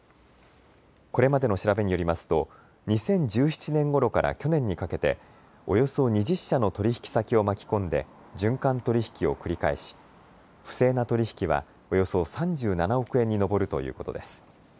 これまでの調べによりますと２０１７年ごろから去年にかけておよそ２０社の取引先を巻き込んで循環取引を繰り返し不正な取り引きはおよそ３７億円に上るということです。